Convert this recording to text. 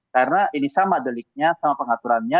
karena ini sama deliknya sama pengaturannya